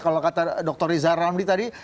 kalau kata dr riza ramli tadi